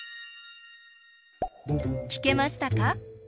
きけましたか？